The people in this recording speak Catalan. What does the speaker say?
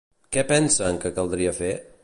Què pensen que caldria fer?